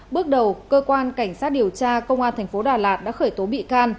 bước đầu cơ quan cảnh sát điều tra công an tp đà lạt đã khởi tố bị can